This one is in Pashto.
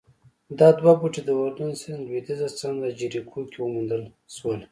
دا دوه بوټي د اردن سیند لوېدیځه څنډه جریکو کې وموندل شول